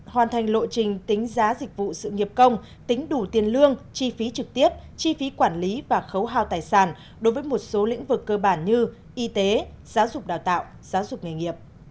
hoàn thành lộ trình tính giá dịch vụ sự nghiệp công tính đủ tiền lương chi phí trực tiếp chi phí quản lý và khấu hao tài sản đối với một số lĩnh vực cơ bản như y tế giáo dục đào tạo giáo dục nghề nghiệp